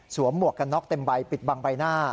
หมวกกันน็อกเต็มใบปิดบังใบหน้า